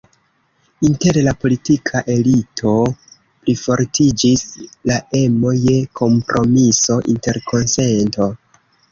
Inter la politika elito plifortiĝis la emo je kompromiso, interkonsento.